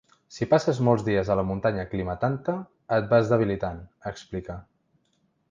Si passes molts dies a la muntanya aclimatant-te, et vas debilitant, explica.